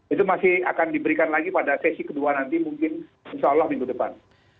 itu masih akan diberikan lagi pada sesi kedua nanti mungkin insya allah minggu depan